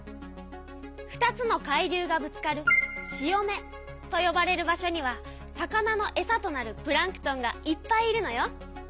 ２つの海流がぶつかる潮目とよばれる場所には魚のえさとなるプランクトンがいっぱいいるのよ。